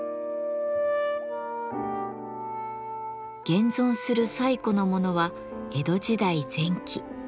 現存する最古のものは江戸時代前期。